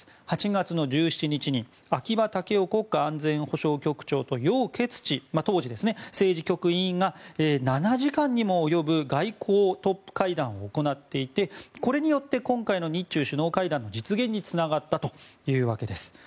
８月１７日に秋葉剛男国家安全保障局長とヨウ・ケツチ当時の政治局委員が７時間にも及ぶ外交トップ会談を行っていてこれによって今回の日中首脳会談の実現につながったというわけです。